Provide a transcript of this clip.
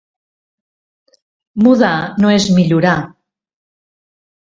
Mudar no és millorar.